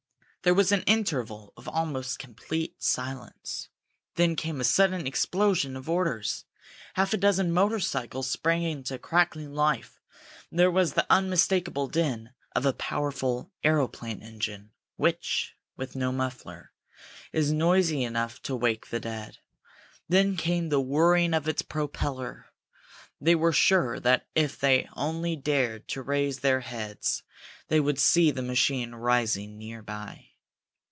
There was an interval of almost complete silence; then came a sudden explosion of orders. Half a dozen motorcycles sprang into crackling life; there was the unmistakable din of a powerful aeroplane engine, which, with no muffler, is noisy enough to wake the dead. Then came the whirring of its propeller. They were sure that if they only dared to raise their heads, they would see the machine rising near by.